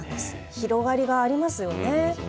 広がりがありますよね。